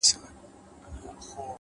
ستر بدلونونه له کوچنیو تصمیمونو زېږي,